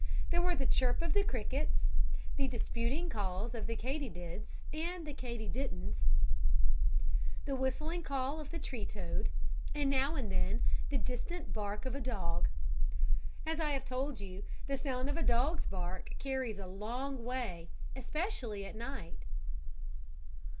There were the chirp of the crickets, the disputing calls of the Katy dids and the Katy didn'ts, the whistling call of the tree toad and, now and then, the distant bark of a dog. As I have told you, the sound of a dog's bark carries a long way, especially at night.